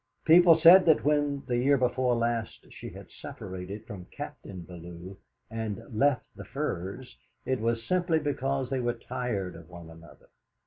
People said that when, the year before last, she had separated from Captain Bellew, and left the Firs, it was simply because they were tired of one another.